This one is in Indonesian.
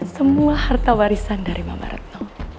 semua harta warisan dari mama retno